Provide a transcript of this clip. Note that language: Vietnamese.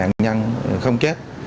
nạn nhân không chết